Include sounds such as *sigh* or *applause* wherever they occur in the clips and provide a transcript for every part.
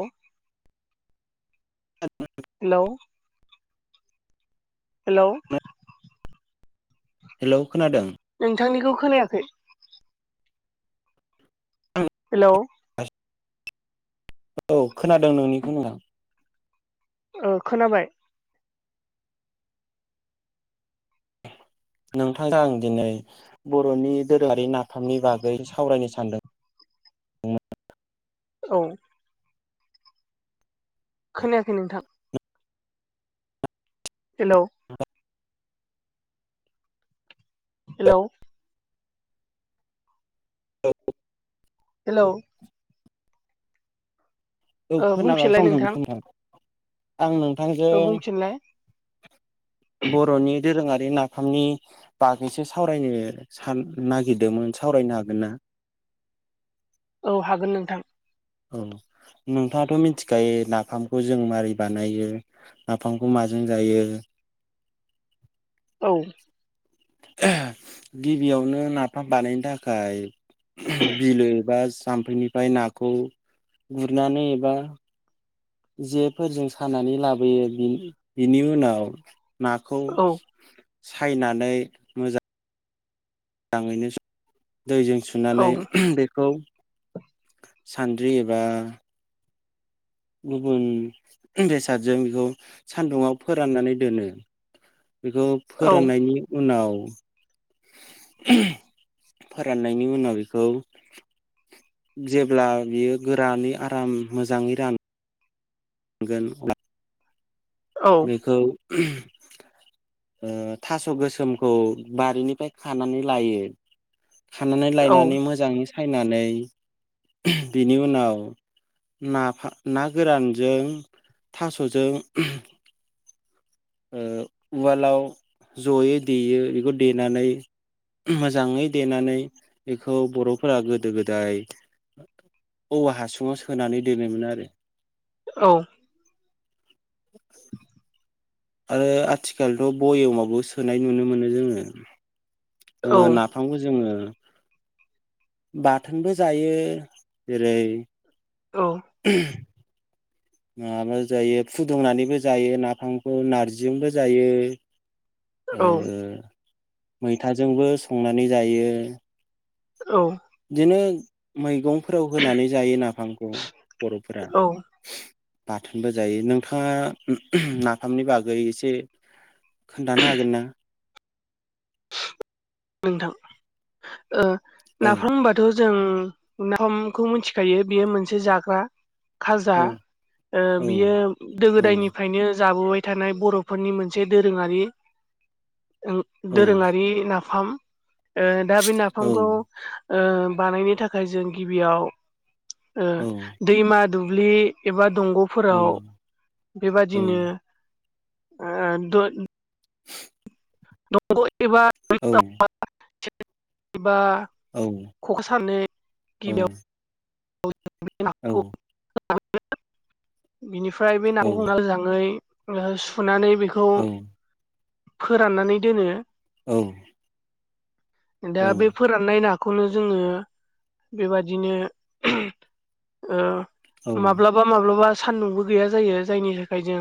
औ द *inaudible* hello hello hello खोनादों नोंथांनिखौ खोनायाखै हेलौ आबै औ खोनादों नोंनिखौ नोंथां ओ खोनाबाय नोंथां जों आं दिनै बर'नि दोरोंआरि नाफामनि बागै सावरायनो सानदों औ खोनायाखै नोंथां हेलौ हेलौ औ हेलौ औ ओ बुंफिनलाय खोनागासिनो दं नोंथां आं नोंथांजों ओ बुंफिनलाय बर'नि दोरोङारि नाफामनि बागैसो सावरायनो सान नागिरदोंमोन सावरायनो हागोन ना? औ हागोन नोंथां। औ नोंथाङाथ' मिथिखायो नाफामखौ जों मारै बानायो? नाफामखौ माजों जायो? औ। गिबियावनो नाफाम बानायनो थाखाय *inaudible* बिलो एबा जाम्फैनिफ्राय नाखौ गुरनानै एबा जेफोरजों सानानै लाबोयो बिनि बिनि उनाव नाखौ औ सायनानै मोजां मोजाङैनो *inaudible* दैजों औ सुनानै बेखौ सान्द्रि एबा गुबुन बेसादजों बेखौ सान्दुङाव फोराननानै दोनो। बेखौ औ फोराननायनि उनाव फोराननायनि उनाव बेखौ जेब्ला बियो गोरानै आराम मोजाङै रान गोन ना औ बेखौ *inaudible* ओ थास' गोसोमखौ बारिनिफ्राय खानानै लायो। खानानै औ लायनानै मोजाङै सायनानै बिनि उनाव नाफा ना गोरानजों थास'जों ओ उवालाव जयै देयो बेखौ देनानै मोजाङै देनानै बेखौ बर'फोरा गोदो-गोदाय औवा हासुङाव सोनानै दोनोमोन आरो। औ। ओ आथिखालथ' बयेमाबो सोनाय नुनो मोनो जोङो ओ ना फामखौ जोङो बाथोनबो जायो जेरै औ। *inaudible* माबा जायो फुदुंनानैबो जायो नाफामखौ नारजिजोंबो जायो। ओ औ मैथाजोंबो संनानै जायो। औ। बिदिनो मैगंफोराव होनानै जायो नाफामखौ बर'फोरा। औ बाथोनबो जायो नोंथाङा *inaudible* नाफामनि बागै एसे खोनथानो हागोन ना? *inaudible* नोंथां ओ औ नाफाम बानाय थ' जों नाफामखौ मिथिखायो बेयो मोनसे जाग्रा खाजा औ ओ औ बियो औ गोदो-गोदायनिफ्रायनो जाबोबाय थानाय बर'फोरनि मोनसे दोरोङारि ओं औ दोरोङारि नाफाम ओ दा बे औ नाफामखौ ओ बानायनो थाखाय जों गिबियाव ओ औ दैमा दुब्लि एबा दंग'फोराव औ बेबादिनो आ द दंग एबा जामफैफोराव *inaudible* एबा औ। ख'खा सानानै गिबियाव औ *unintelligible* *unintelligible* बिनिफ्राय बे नाखौ मोजाङै सुनानै बेखौ औ फोराननानै दोनो औ दा बे फोराननाय नाखौनो जोंङो बेबादिनो ओ माब्ला औ माब्लाबा माब्लाबा सानदुंबो गैया जायो जायनि थाखाय जों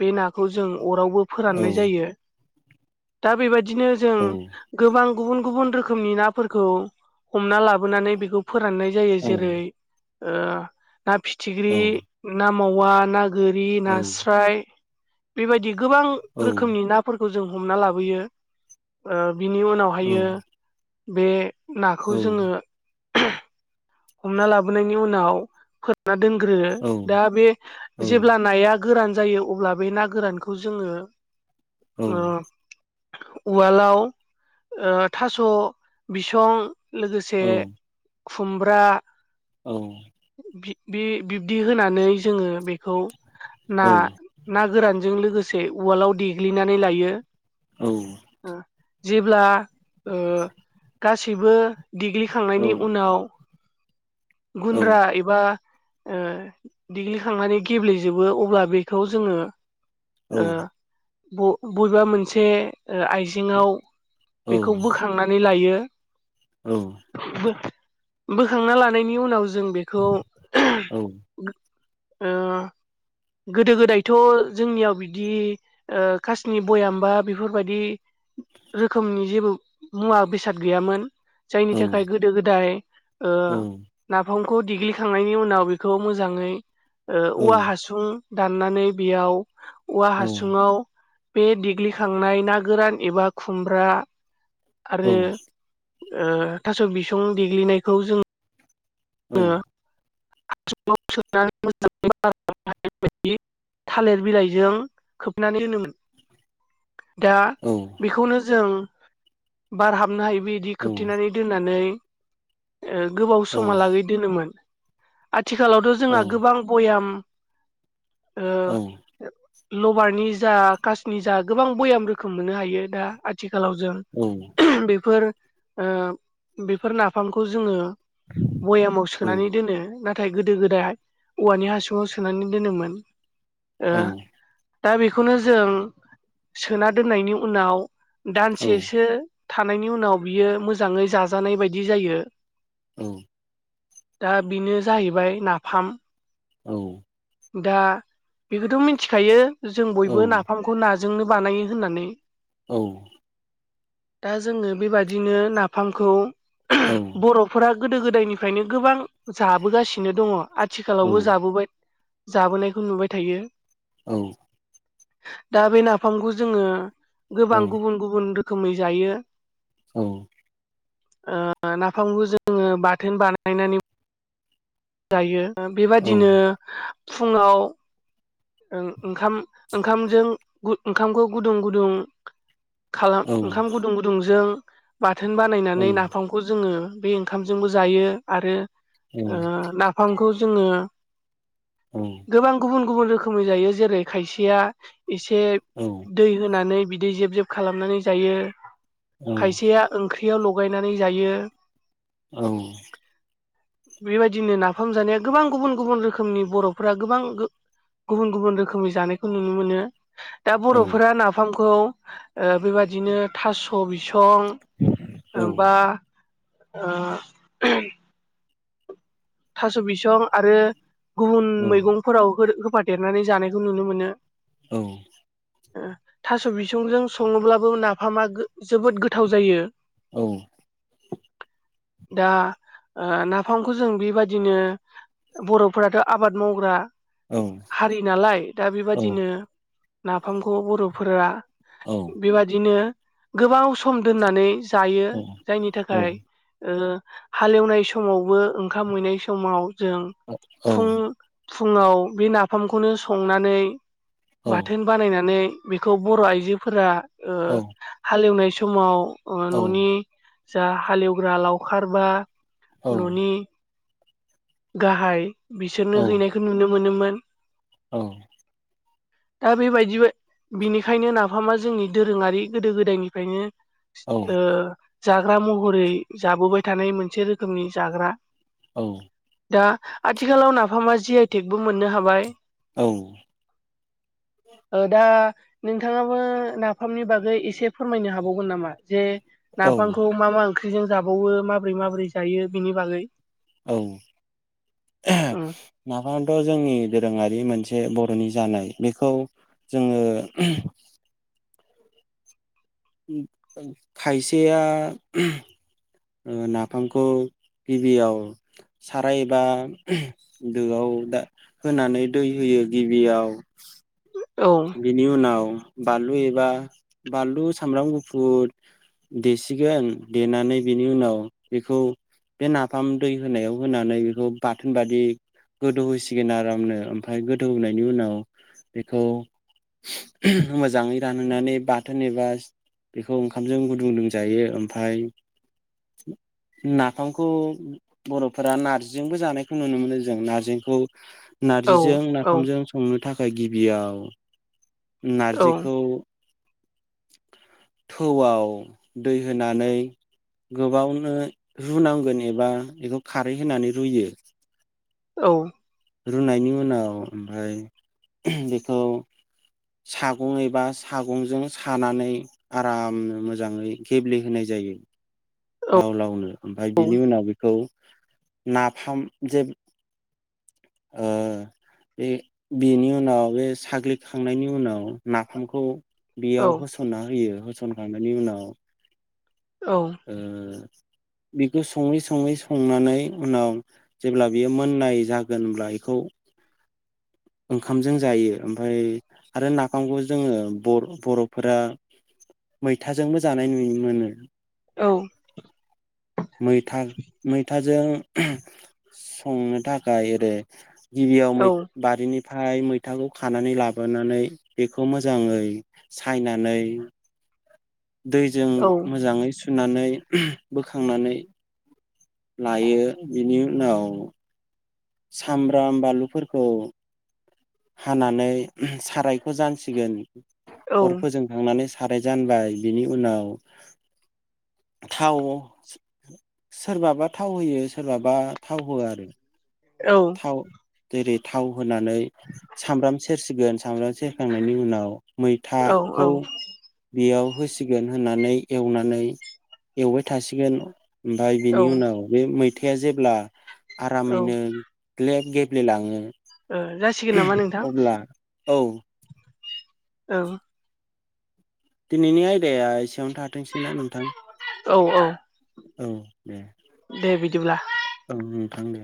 बे नाखौ जों अरावबो फोराननाय औ जायो दा बेबायदिनो जों औ गोबां गुबुन गुबुन रोखोमनि नाफोरखौ हमना लाबोनानै बेखौ फोराननाय जायो जेरै ओ ना फिथिख्रि ना मावा ना गोरि नास्राय बेबायदि गोबां रोखनि औ ना फोरखौ जों हमना लाबोयो ओ बिनि उनावहायो बे नाखौ जोंङो हमना लाबोनायनि उनाव फोरानना दोनग्रोयो दा बे जेब्ला नाया गोरान जायो अब्ला बे ना गोरानखौ जोंङो उवालाव ओ थास' बिसं लोगोसे खुमब्रा औ बे बिब्दि होनानै जोंङो बेखौ ना ना गोरानजों लोगोसे उवालाव देग्लिनानै लायो। औ जेब्ला गासैबो ओ औ डिग्लिखांनायनि उनाव औ गुनद्रा एबा ओ दिडिग्लिखांनानै गेब्लेजोबो अब्ला बेखौ जोंङो औ ओ बबेबा मोनसे आइजेंङाव बेखौ बोखांनानै लायो। औ *unintelligible* देखांना लानायनि उनाव जों बेखौ ओ गोदो गोदायथ' जोंनियाव बिदि ओ कासनि बयाम बा बेफोरबायदि रोखोमनि जेबो मुवा बेसाद गैयामोन जायनि थाखाय गोदो गोदाय ओ नाफामखौ देग्लिखांनायनि उनाव बेखौ मोजांङै औवा हासुं हुं दाननानै बेयाव औवा हासुंङाव बे देग्लिखांनाय ना गोरान एबा खुमब्रा आरो ओ थास' बिसं देग्लिनायखौ जों हासुंङाव सोनानै मोजांङै मारिनानै बे थालिर बिलाइजों खोबनानै होनोमोन दा बेखौनो जों बार हाबनो हायो बिदि खोबथेनानै दोननानै गोबाव समा लागै दोनोमोन आथिखालावथ' जोंहा गोबां भयाम अ लबारनि जा कासनि जा गोबां बयाम रोखोम मोननो हायो दा आथिखालाव जों औ बेफोर बेफोर नाफामखौ जोंङो भयामाव सोनानै दोनो नाथाय गोदो गोदाय औवानि हासुंङाव सोनानै दोनोमोन। दा बेखौनो जों सोना दोननायनि उनाव दानसेसो थानायनि उनाव बियो मोजांङै जाजानाय बायदि जायो। औ दा बेनो जाहैबाय नाफाम औ दा बेखौथ' मिथिखायो जों बयबो नाफामखौ नाजोंनो बानायो होननानै औ दा जोङो बेबादिनो नाफामखौ बर'फोरा गोदो गोदायनिफ्रायनो गोबां जाबोगासिनो दङ आथिखालावबो जाबोबाय जाबोनायखौ नुबाय थायो *inaudible* दा बे नाफामखौ जोङो गोबां गुबुन गुबुन रोखोमै जायो ओ नाफामखौ जोङो बाथोन बानायनानै जायो बेबादिनो फुङाव ओं ओंखाम ओंखामजों ओंखामखौ गुदुं गुदुं खालाम ओंखाम गुदुं गुदुंजों बाथोन बानायनानै नाफाम खौ जोङो बे ओंखामजोंबो जायो आरो ओ नाफामखौ जोङो गोबां गुबुन गुबुन रोखोमै जायो जेरै खायसेया एसे दै होनानै बिदै जेब जेब खालामनानै जायो खायसेया ओंख्रियाव लगायनानै जायो औ बेबायदिनो नाफाम जानाया गोबां गुबुन गुबुन रोखोमनि बर'फोरा गोबां गुबुन गुबुन रोखोमनि जानायखौ नुनो मोनो दा बर'फोरा नाफामखौ ओ बेबादिनो थास' बिसं बा ओ थास' बिसं आरो गुबुन मैगं फोराव होफादेरनानै जानायखौ नुनो मोनो थास' बिसंजों सङोब्लाबो नाफामा जोबोद गोथाव जायो औ दा ओ नाफामखौ जों बेबा दिनो बर'फोराथ' आबाद मावग्रा औ हारि नालाय दा बेबादिनो नाफामखौ बर'फोरा बेबादिनो गोबाव सम दोननानै जायो जायनि थाखाय ओ हालेवनाय समावबो ओंखाम हैनाय समाव जों फुं फुङाव बे नाफामखौनो संनानै बाथोन बानायनानै बेखौ बर' आइजोफोरा हालेवनाय समाव न'नि जा हालेवग्रा लावखार बा औ न'नि गाहाय बिसोरनो हैनायखौ नुनो मोनोमोन *inaudible* दा बेबायदि बिनिखायनो नाफामा जोंनि दोरोङारि गोदो गोदायनिफ्रायनो ओ औ-औ-औ-औ-औ-औ जाग्रा महरै जाबोबाय थानाय मोनसे रोखोमनि जाग्रा दा आथिखालाव नाफामा जि आइटेगबो मोननो हाबाय *inaudible* दा नोंथाङाबो नाफामनि बागै एसे फोरमायनो हाबावगोन नामा जे नाफामखौ मा मा ओंख्रिजों जाबावो माबोरै माबोरै जायो बेनि बागै औ उम नाफामथ' जोंनि दोरोङारि मोनसे बर'नि जानाय बेखौ जोङो खायसेया ओ नाफामखौ गिबियाव साराय एबा दोआव दा होनानै दै होयो गिबियाव औ बिनि उनाव बानलु एबा बानलु सामब्राम गुफुर देसिगोन देनानै बेनि उनाव बेखौ बे नाफाम दै होनायाव होनानै बेखौ बाथोन बादि गोदौहोसिगोन आरामनो ओमफ्राय गोदौहोनायनि उनाव बेखौ मोजांङै रानहोनानै बाथोन एबा बेखौ ओंखामजों गुदुं लुंजायो ओमफ्राय नाफामखौ बर'फोरा नारजिबो जानायखौ नुनो मोनो जों नारजिखौ औ नारजिजों औ नाफामजों संनो थाखाय गिबियाव औ नारजिखौ थौआव दै होनानै गोबावनो रुनांगोन एबा बेखौ खारै होनानै रुयो। औ रुनायनि उनाव ओमफ्राय बेखौ सागं एबा सागंजों सानानै आरामनो मोजांङै गेब्लेहोनाय जायो। लाव लावनो ओमफ्राय बिनि उनाव बेखौ नाफाम जे ओ बे बेनि उनाव बे साग्लिखांनायनि उनाव नाफामखौ औ बेयाव होसनना होयो होसनखांनायनि उनाव औ ओ बिखौ संङै संङै संनानै उनाव जेब्ला बियो मोननाय जागोन ओमब्ला इखौ ओंखामजों जायो ओमफ्राय आरो नाफामखौ जोंङो बर बर'फोरा मैथाजोंबो जानाय नुनोमोननो। औ मैथा मैथाजों संनो थाखाय ओरै गिबियाव औ मै बारिनिफ्राय मैथाखौ खानानै लाबोनानै बेखौ मोजांङै सायनानै दैजों मोजांङै सुनानै बोखांनानै लायो बिनि उनाव सामब्राम बानलुफोरखौ हानानै सारायखौ जानसिगोन अर औ फोजों खांनानै साराय जानबाय बिनि उनाव थाव सोरबाबा थाव होयो सोरबाबा थाव होआ आरो औ थाव जेरै थाव होनानै सामब्राम सेरसिगोन सामब्राम सेर फ थांनायनि उनाव औ मैथाखौ औ बेयाव होसिगोन होनानै एवनानै एवबाय थासिगोन ओमफ्राय औ बिनि उनाव बे मैथायआ जेब्ला औ ओ आरामैनो ग्लेब गेब्लेलांङो *unintelligible* अब्ला औ औ दिनैनि आयदाया एसेयावनो थाथोंसैना नोंथां औ औ औ दे दे बिदिब्ला औ थांदो